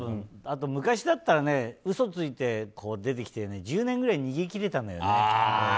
あと昔だったら嘘ついて出てきても１０年ぐらい逃げ切れたんだよね。